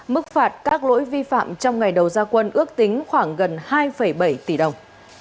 mức phạt các lỗi vi phạm trong ngày đầu gia quân ước tính khoảng gần hai bảy tỷ đồng